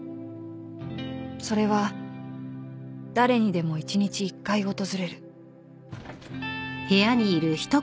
［それは誰にでも一日一回訪れる］